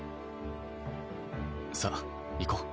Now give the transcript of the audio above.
さあ行こう。